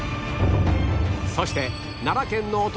そして奈良県のお隣